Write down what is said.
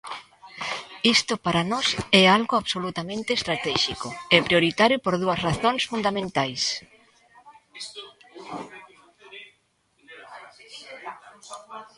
Isto para nós é algo absolutamente estratéxico e prioritario por dúas razóns fundamentais.